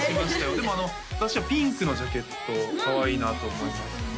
でも私はピンクのジャケットかわいいなと思いましたね